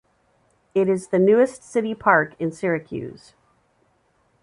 It is the newest city park in Syracuse.